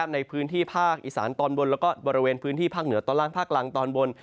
ในพื้นที่ภาคอีสานตอนบนแล้วก็บริเวณพื้นที่ภาคเหนือตอนล่างภาคกลางตอนบน